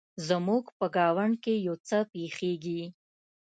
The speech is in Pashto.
زموږ په ګاونډ کې يو څه پیښیږي